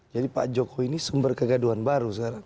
jadi pak jokowi ini sumber kegaduhan baru sekarang